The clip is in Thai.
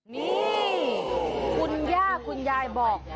นี่คุณย่าคุณยายบอก